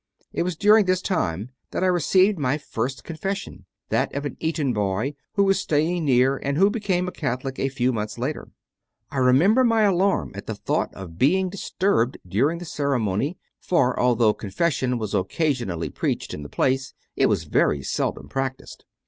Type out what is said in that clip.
It was during this time that I received my first confession that of an Eton boy who was staying near and who became a Catholic a few months later. I remember my alarm at the thought of being dis turbed during the ceremony, for, although confession 54 CONFESSIONS OF A CONVERT was occasionally preached in the place, it was very seldom practised.